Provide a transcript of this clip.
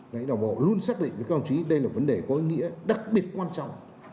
đấy đảng bộ luôn xác định với các ông chí đây là vấn đề có ý nghĩa đặc biệt quan trọng